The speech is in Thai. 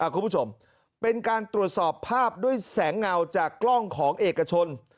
คุณผู้ชมเป็นการตรวจสอบภาพด้วยแสงเงาจากกล้องของเอกชน